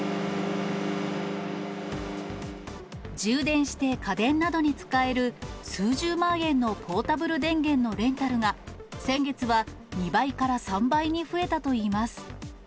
充電して家電などに使える数十万円のポータブル電源のレンタルが、先月は２倍から３倍に増えたといいます。